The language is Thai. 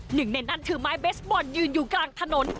หนึ่งในนั้นถือไม้เบสบอลยืนอยู่กลางถนน